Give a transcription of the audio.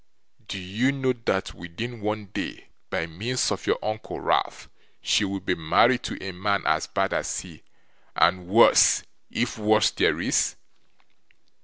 'Do you know that within one day, by means of your uncle Ralph, she will be married to a man as bad as he, and worse, if worse there is?